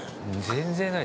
全然ない。